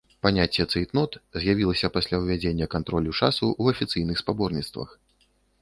Паняцце цэйтнот з'явілася пасля ўвядзення кантролю часу ў афіцыйных спаборніцтвах.